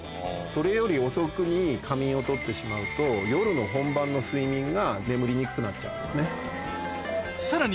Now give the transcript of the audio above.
それより遅くに仮眠をとってしまうと夜の本番の睡眠が眠りにくくなっちゃうんですね。